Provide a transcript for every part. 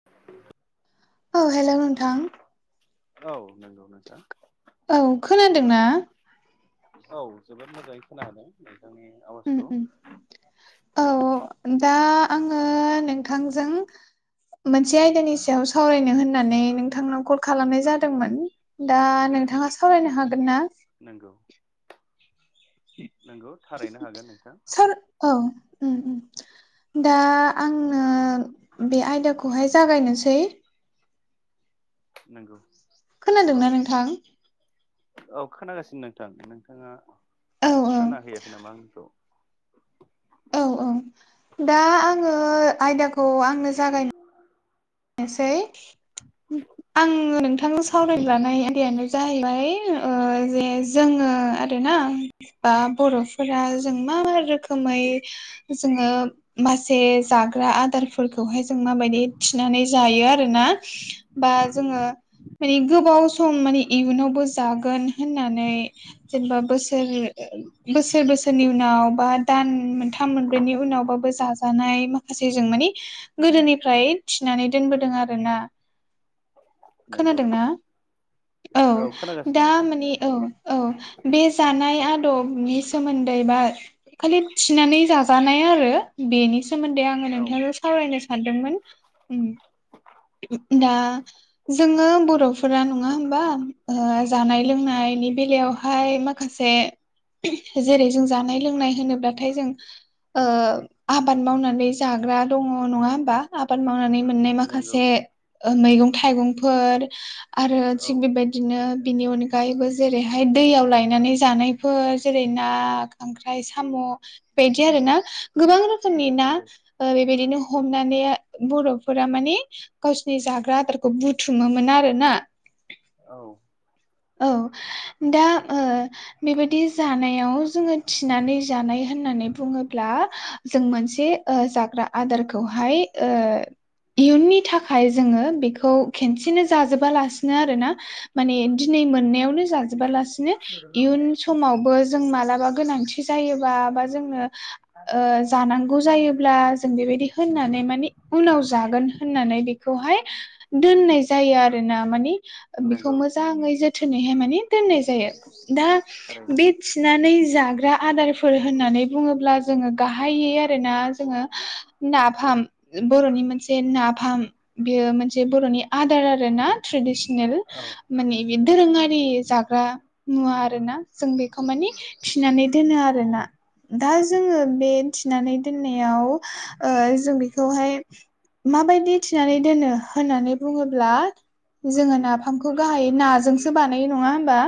[inaudible] औ हेलौ नोंथां। औ नंगौ नोंथां। औ खोनादोंना औ जोबोद मोजाङै खोनादों नोंथांनि उम आवाजखौ। उम औ दा आङो नोंथांजों। मोनसे आयदानि सायाव सावरायनो होननानै नोंथांनाव कल खालामनाय जादोंमोन। दा नोंथाङा सावरायनो हागोन ना? नोंगौ। नोंगौ थारैनो हागोन नोंथां। सार औ उम-उम। दा आंनो बे आयदाखौहाय जागायनोसै। नोंगौ। खोनादोंना नोंथां? औ खोनागासिनो नोंथां नोंथाङा औ औ खोना होयाखै नामा आंनिखौ औ औ दा आङो आयदाखौ आंनो जागायनो नोसै आं नोंथां सावरायनोलानाय आयदायानो जाहैबाय ओ जे जोङो आरोना बा बर फोरा जों मा रोखोमै जोङो मासे जाग्रा आदारफोरखौहाय जों माबायदि थिनानै जायो आरोना बा जोङो मानि गोबाव सम मानि इयुनावबो जागोन होननानै जेनेबा बोसोर बोसोर बोसोरनि उनाव बा दान मोनथाम मोनब्रैनि उनावबाबो जाजोब जानाय माखासे जों मानि गोदोनिफ्राय थिनानै दोनबोदों आरो ना नंगौ खोनादोंना औ खोनागासिनो दा नोंथां माने औ औ बे जानाय आदबनि सोमोन्दै बा खालि थिनानै जाजानाय आरो बेनिस सोमोन्दै आङो औ नोंथांखौ सावरायनो सानदोंमोन दा जोङो बर फोरा नङा होमबा ओ जानाय लोंनायनि बेलायावहाय माख माखासे जेरै जों जानाय लोंनाय होनोब्लाथाय जों आबाद मावनानै जाग्रा दङ नङा होमबा आबाद मावनानै मोननाय नंगौ माखासे मैगं थाइगंफोर आरो औ जं बे बेड बिदिनो बिनि अनगायैबो जेरैहाय दैयाव लायनानै जानायफोर जेरै ना ओमफ्राय साम' बायदि आरो ना गोबां रोखोमनि ना नंगौ बेबायदिनो हमनानै बर'फोरा माने गावसिोरनि जाग्रा आदारखौ बुथुमोमोन आरोोना औ औ दा बेबायदि जानायाव जोङो थिनानै जानाय होननानै बुङोब्ला जों मोनसे जाग्रा आदारखौहाय इयुननि थाखाय जोङो बेखौ खेनसेनो जाजोबालासिनो आरोोना माने दिनै मोननायावनो ज म ग [unintelligible] अब्ला जों बेबायदि होननानै मान उनाव जागोन होननानै बेखौहाय दोननाय जायो आरो ना मानिे बेखौ नंगौ मोजाङै जोथोनैहाय माने दोननाय जायो दा थारैनो बे थिनानै जाग्रा आदारफोर होननानै बुङोब्ला जोङो गाहायै आरोना जोङो नाफाम बर'नि मोनसे नाफाम बेयो मोनसे बर'नि आदार आरो ना ट्रेडिसनेल औ माने बे नंगौ दोरोङारि जाग्रा नुवा आरो ना जों बेखौ माने थिनानै दोनो आरोना दा जोङो बे थिनानै दोननायाव जों बेखौहाय माबायदि थिनानै दोनो होननानै बुङोब्ला जोङो नाफामखौ गाहाय नाजोंसो बानायो नङा होमबा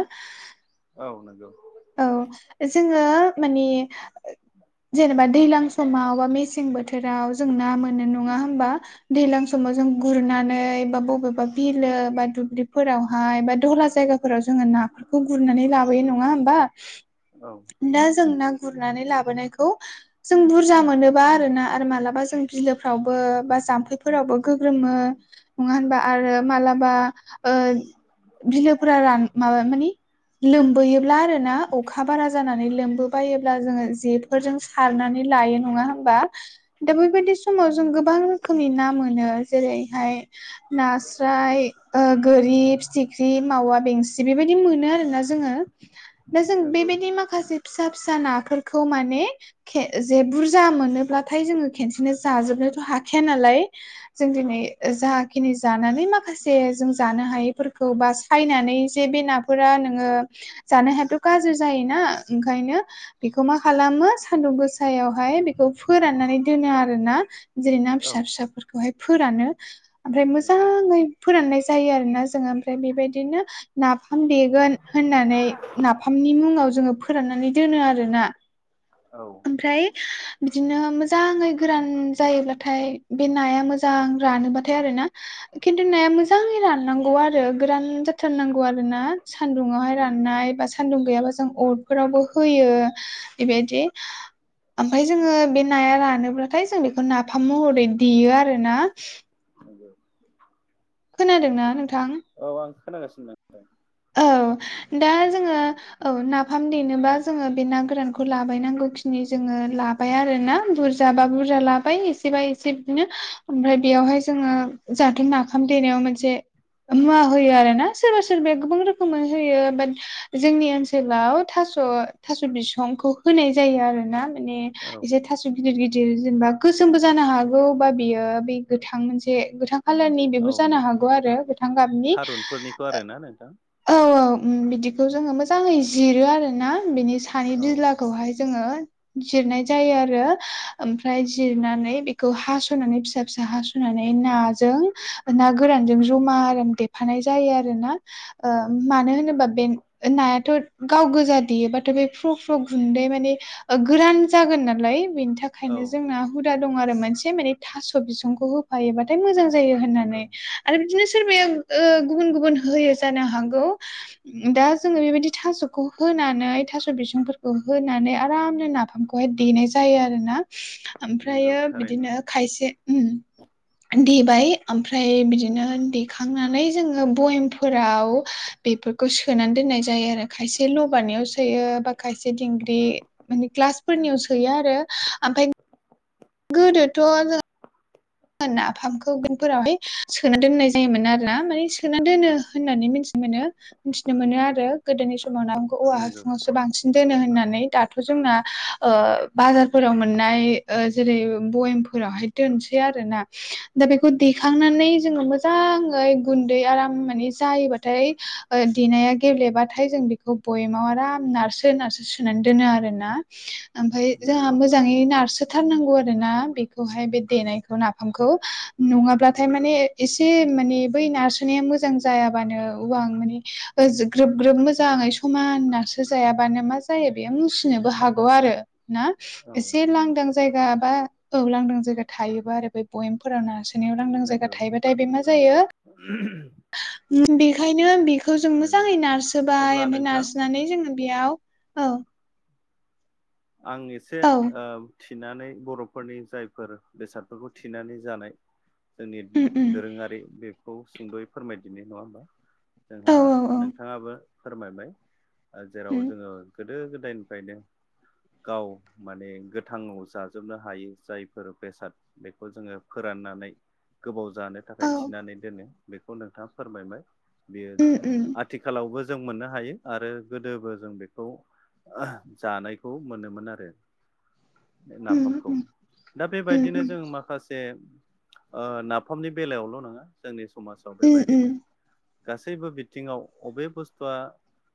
औ नंगौ औ जोङो मानि जेनेबा। दैज्लां समाव बा मेसें बोथोराव जों ना मोननो नङा होमबा दैज्लां समाव जों गुरनानै बा बबेबा बिलो बा दुब्लिफोरावहाय बा दहला जायगा फोराव जोङो नाफोरखौ गुरनानै लाबोयो नङा होमबा औ दा जों ना गुरनानै लाबोनायखौ जों बुरजा मोनोबा आरो ना आरो मालाबा जों बिलोफ्रावबो बा जाम्फैफोरावबो गोग्रोमो नङा होनबा आरो मालाबा बिलोफोरा रान माबा मानि। लोमबोयोब्ला आरो ना अखा बारा जानानै लोमबोबायोब्ला जोङो जेफोरजों सारनानै लायो नङा हबा दा बेबायदि समाव जों गोबां रोखोमनि ना मोनो जेरैहाय नास्राय गोरिब फिथिख्रि मावा बेंसिन जे बेबायदि मोनो आरोना जोङो दा जों नंगौ बेबायदि माखासे फिसा फिसा नाफोरखौ माने खे जे बुरजा मोनोब्लाथाय जोङो खेनसेनो जाजोबनोथ' हाखाया नालाय जों दिनै जाखिनि जानानै माखासे जों जानो हायैफोरखौ बा फायनानै जे बे नाफोरा नोङो जानो हाय' गाज्रि जायोना ओंखायनो बेखौ मा खालामो सानदुं गोसायावहाय बेखौ फोराननानै दोनो आरोोना जेरै ना औ नंगौ फिसा फिसाफोरखौ बेखौहाय फोरानो ओमफ्राय मोजाङै फोराननाय जायो आरोना जोङो ओमफ्राय बेबायदिनो नाफाम देगोन होननानै फामनि मुङाव जोङो फोराननानै दोनो आरो ना। औ ओमफ्राय बिदिनो मोजाङै गोरान जायोब्लाथाय बे नाया मोजां मोजां रानोबाथाय आरो ना खिन्थु नाया मोजाङै राननांगौ आरो गोरान बुथारनांगौ आरो ना सान्दुुंवहाय राननाय बा सान्दुं गैयाबा जों अरफोरावबो होयो बेबायदि ओमफ्राय जोङो बे नाया रानोब्लाथाय जों बेखौ नाफाम महरै देयो आरो ना। नोंगौ खोनादों ना? औ आं खोनागासिनो। नोंथां औ दा जोङो औ नाफाम देनोबा जोङो बे ना गोरानखौ लाबायनांगौखिनि जोङो ला बाय आरोना बुरजा बा बुरजा लाबाय एसेबा एसे बिदिनो ओमफ्राय बेयावहाय जोङो जाथे नाफाम देनायाव मोनसे मुवा होयो आरो ना सोरबा सोरबाया गोबां रोखोमै होयो बाट जोंनि ओनसोलाव थास' थास' बिसंखौ होनाय जायो आरो ना माने औ एसे थास' गिदिर गिदिर जेनेबा गोसोमबो जानो हागौ बा बियो बे गोथां मोनसे गोथां खालारनि औ बेबो जानो हागौ आरो गोथां गाबनि आरो ना नोंथां। औ औ बिदिखौ जोङो मोजाङै जिरो आरो ना बिनि सा नि औ बिलाखौहाय जोङो जिरनाय जायो आरो ओमफ्राय जिरनानै बेखौ हास'नानै फिसा फिसा हास' नानै नाजों ना गोरानजों जमा आराम देफानाय जायो आरो ना। ओ औ मानो होनोबा बे नायाथ' गाव गोजा देयोबाथ' बे फ्रु फ्रु गुन्दै माने गोरान जागोन नालाय बेनि था खायनो औ जोंना हुदा दं आरो मोनसे माने थास' बिसंखौ हो योबाथाय मोजां जायो नंगौ होननानै आरो बिदिनो सोरबाया गुबन गुबन होयो। जानो हागौ। दा जोङो बेबायदि थास'खौ होनानै थास' बिसंफोरखौ होनानै आरामनो ना खौहाय देनाय जायो आरो ना नंगौ ओमफ्रायो थारैनो बिदिनो खायसे उम देबाय ओमफ्राय बिदिनो देखांनानै जोङो बयमफो फोराव बेफोरखौ सोनानै दोननाय जायो आरो खायसे लबानायाव सोयो बा खायसे दिंग्रि माने क्लास फोरनियाव सोयो आरो ओमफ्राय गोदोथ' जों नाफामखौफोरावहाय सोना दोननाय जायोमोन आरो ना माने सोना दोनो होननानै मिथि मोनो। मिथिनो मोनो आरो गोदोनि समाव नाखौ औवा नंगौ हाासुङावसो बांसिन। दोनो होननानै दाथ' जोंना बाजारफोराव मोननाय जेरै बयम फोरावहाय दोनसै आरो ना। दा बेखौ देखांनानै जोङो मोजाङै गुन्दै आराम माने जायोबाथाय देनाया गेब्लेबाथाय जों बेखौ बयमाव आराम नारसो नारसो सोनानै दोनो आरोना। ओमफफ्राय जोंहा नंगौ मोजाङै नारसोथारनांगौ आरो ना बेखौहाय बे देनायखौ खौ नाफामखौ नङाब्लाथाय नंगौ माने एसे माने बै नारसोना मोजां जायाबानो उवां माने ग्रोब ग्रोब मोजाङै समानसो जायाबानो मा जायो बेयो मसिनोबो हागौ आरो ना औ एसे लांदां जायगा बा औ लांदां जायगा थायोबा आरो बे बयेमफोराव न सोनायाव लांदां जायगा नंगौ थायोबाथाय बे मा जायो बेखायनो बेखौ जों नंगौ मोजाङै नारसोबाय अब्ला ओमफ्राय नोंथां नारसोनानै जोङो बेयाव औ आं एसे औ ओ थिनानै बर'फोरनि जायफोर बेसादफोरखौ थिनानै जानाय जोंनि उम उम दोरोङारि बेखौ सुंद'यै फोरमायदिनाय नङा होमबा। औ जोंहा औ औ नोंथाङाबो फोरमायबाय जेराव उम जोङो गोदो गोदायनिफ्रायनो गाव माने गोथाङाव जाजोबनो हायो जायफोर बेसाद बेखौ जोङो फोराननानै गोबाव जानो औ थाखाय थिनानै दोनो बेखौ नोंथाङा फोरमायबाय। बेयो उम उम आथिखालावबो जों मोननो हायो आरो गोदोबो जों बेखौ जानाय खौ मोनोमोन आरो उम नाफामखौ। उम दा बे उम बायदिनो उम जों माखासे जे नाफामनि बेलायावल' नङा जोंनि समाजाव बे उम बायदिनो उम गासैबो बिथिङाव अबे बुस्थुआ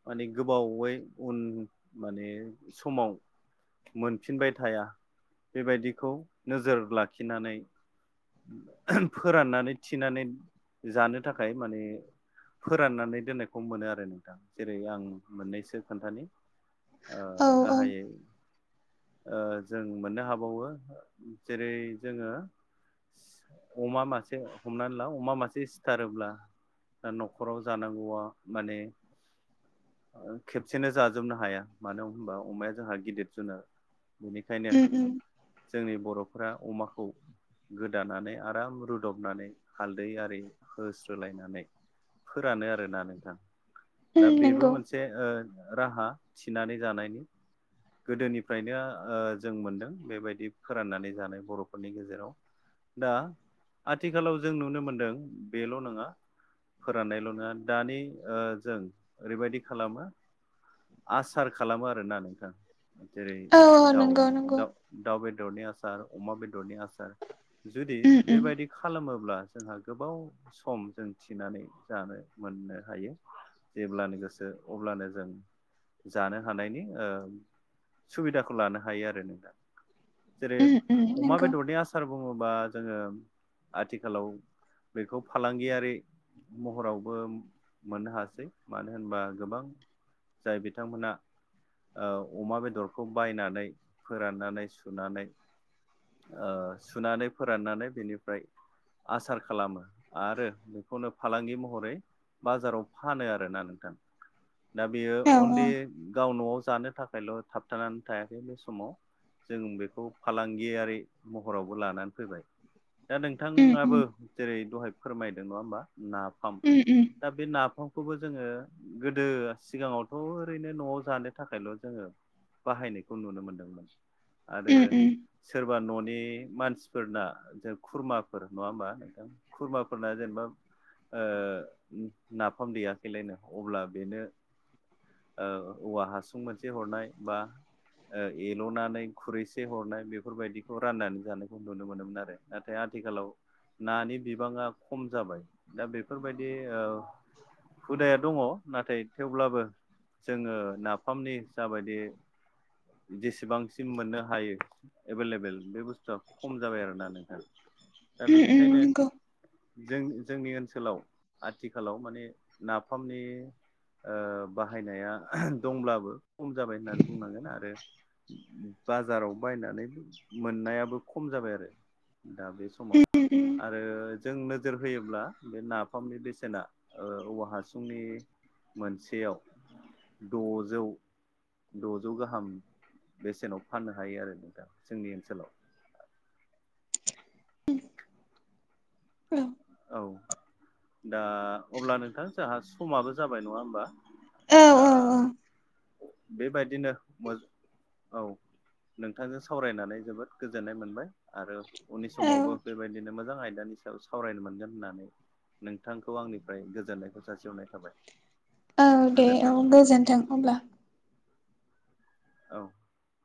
माने गोबावै उन माने समाव मोनफिनबाय थाया बे बायदिखौ नोजोर लाखिनानै फोराननानै थिनानै जानो थाखाय माने फोराननानै दोननायखौ मोनो आरो नोंथां। जेरै- आं मोननैसो खोन्थानि ओ औ औ। [unintelligible] जों मोननो हाबावो जेरै जोङो अमा मासे हमनानै ला अमा मासे सिथारोब्ला दा न'खराव जानांगौआ माने खेबसेनो जाजोबनो हाया। मानो होनबा अमाया जोंहा गिदिर जुनार। बेनिखायनो उम उम जोंनि बर'फ अमाखौ गोदानानै आराम रुदबनानै हालदै आरि होस्रोलायनानै फोरानो आरोना नोंथां। दा उम बेबो नंगौ मोनसे राहा थिनानै जानायनि गोदोनिफ्रायनो जों मोनदों बे बायदि फोराननानै जानाय बर'फोरनि गेजेराव। दा आथिखालाव जों नुनो मोनदों बेल' नङा फोराननायल' नङा दानि जों ओरैबायदि खालामो। आसार खालामो आरोना नोंथां। औ जेरै- औ दाउ नंगौ नंगौ दा दाउ बेदरनि आसार, अमा बेदरनि आसार, जुदि उम बे उम बायदि खालामोब्ला जोंहा गोबाव सम जों थिनानै जानो मोननो हायो। जेब्लानो गोसो अब्लानो जों जानो हानायनि सुबिदाखौ लानो हायो आरो नोंथां। जेरै- उम उम अमा नंगौ बेदरनि आसार बुङोबा जोङो आथिखालाव बेखौ फालांगियारि महरावबो मोननो हासै। मानो होनबा गोबां जाय बिथांमोनहा अमा बेदरखौ बायनानै फोराननानै सुनानै सुनानै फोराननानै बेनिफ्राय आसार खालामो आरो बेखौनो फालांगि महरै बाजाराव फानो आरोना नोंथां। दा बेयो औ औ अनलि गाव न'आव जानो थाखायल' थाबथानानै थायाखै बे समाव जों बेखौ फालांगियारि महरावबो लानानै फैबाय। दा उम नोंथाङाबो उम जेरै दहाय फोरमायदों नङा होमबा नाफाम उम उम दा बे नाफामखौबो जोङो गोदो सिगाङावथ' ओरैनो न'आव जानो थाखायल' जोङो बाहायनायखौ नुनो मोनदोंमोन आरो उम उम उम सोरबा न'नि मानसिफोरना जों खुरमाफोर नङा होमबा नोंथां। खुरमाफोरना जेनेबा नाफाम दैेयाखैलायनो अब्ला बेनो औवा हासुं मोनसे हरनाय, बा एल'नानै खुरैसे हरनाय बेफोरबायदिखौ राननानै जानायखौ नुनो मोनोमोन आरो। नाथाय आथिखालाव नानि बिबाङा खम जाबाय दा बेफोरबायदि औ हुदाया दङ नाथाय थेवब्लाबो जोङो ना फानि जाबायदि जेसेबांसिम मोननो हायो एभेलेबेल बे बुस्थु था खम जाबाय आरोना नोंहा दा उम बेनिखायनो नंगौ जों जोंनि ओनसोलाव आथिखालाव माने नाफामनि ओ बाहायनाया दंब्लाबो खम जाबाय होननानै बुंनांगोन आरो बाजाराव बायनानै मोननायाबो खम जाबाय आरो। दा बे समाव उम उम आरो जों नोजोर होयोब्ला बे नाफामनि बेसेना औवा हासुंनि मोनसेयाव द'जौ द'जौ गाहाम बेसेनाव फाननो हायो आरो नों दा जोंनि ओनसोलाव औ औ दा अब्ला नोंथां जोंहा समाबो जाबाय नङा होमबा औ दा औ औ बेबायदिनो मोजां औ नोंथांजों सावरायनानै जोबोद गोजोननाय मोनबाय आरो उननि औ समावबो बेबायदिनो मोजां आयदानि सायाव सावरायनो मोनो होननानै नोंथांखौ आंनिफ्राय गोजोननायखौ जासिहरनाय थाबाय। औ दे औ गोजोन्थों नोंथां गोजोन्थों हब्ला। औ